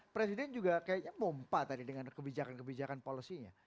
presiden juga kayaknya pompa tadi dengan kebijakan kebijakan policy nya